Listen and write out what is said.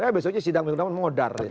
ya besoknya sidang minggu depan mau ngodar